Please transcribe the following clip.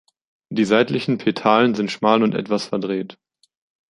Die seitlichen Petalen sind schmal und etwas verdreht.